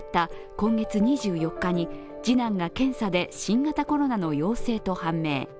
今月２４日に次男が検査で新型コロナの陽性と判明。